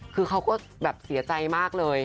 คือเขาก็แบบเสียใจมากเลย